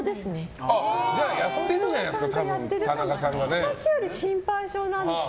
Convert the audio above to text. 私より心配性なんですよ。